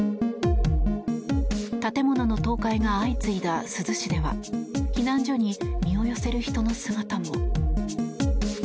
建物の倒壊が相次いだ珠洲市では避難所に身を寄せる人の姿も。